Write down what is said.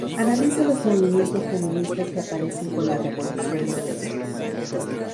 Analiza los movimientos feministas que aparecen con la revolución burguesa.